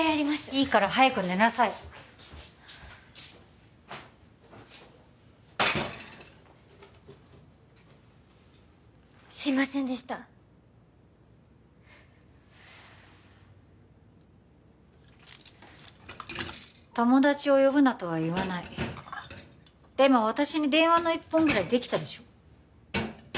いいから早く寝なさいすいませんでした友達を呼ぶなとは言わないでも私に電話の一本ぐらいできたでしょ？